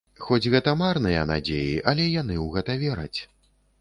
Хоць гэта марныя надзеі, але яны ў гэта вераць.